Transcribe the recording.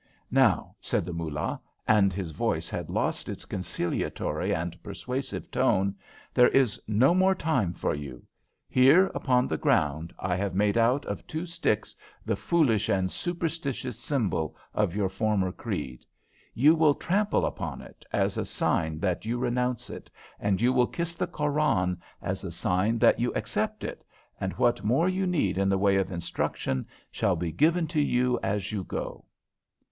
"Now," said the Moolah, and his voice had lost its conciliatory and persuasive tone, "there is no more time for you. Here upon the ground I have made out of two sticks the foolish and superstitious symbol of your former creed. You will trample upon it, as a sign that you renounce it, and you will kiss the Koran, as a sign that you accept it, and what more you need in the way of instruction shall be given to you as you go."